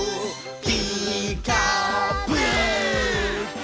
「ピーカーブ！」